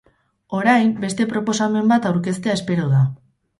Orain, beste proposamen bat aurkeztea espero da.